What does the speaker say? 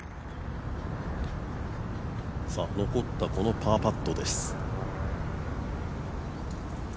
残ったこのパーパットです。